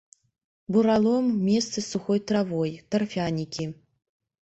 Буралом, месцы з сухой травой, тарфянікі.